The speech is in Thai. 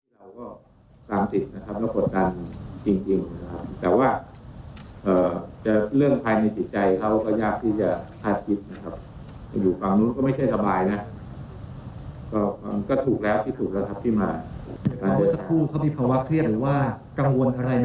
แล้วเขาขอใช้สิทธิ์ทางกฎหมายอย่างไรบ้างครับ